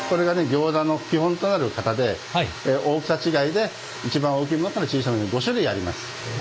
ギョーザの基本となる型で大きさ違いで一番大きいものから小さいものまで５種類あります。